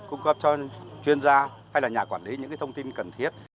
cung cấp cho chuyên gia hay là nhà quản lý những thông tin cần thiết